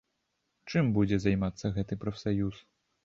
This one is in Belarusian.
Чым будзе займацца гэты прафсаюз?